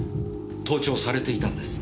盗聴されていたんです。